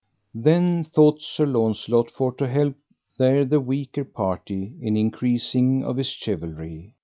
Then thought Sir Launcelot for to help there the weaker party in increasing of his chivalry.